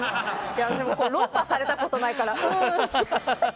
私も論破されたことないからふーんとしか。